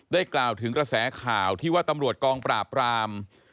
กล่าวถึงกระแสข่าวที่ว่าตำรวจกองปราบราม